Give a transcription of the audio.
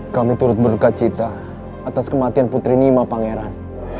kami turut berduka cita atas kematian putri nima pangeran